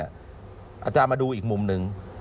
อาจารย์มาดูอีกมุมหนึ่ง